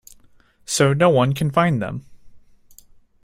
So, no one can find them!